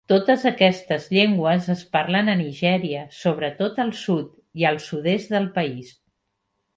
Totes aquestes llengües es parlen a Nigèria, sobretot al sud i al sud-est del país.